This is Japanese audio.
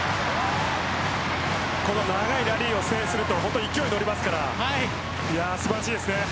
この長いラリーを制すると勢いに乗りますから素晴らしいですね。